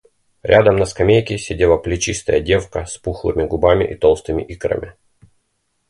Рядом на скамейке сидела плечистая девка с пухлыми губами и толстыми икрами.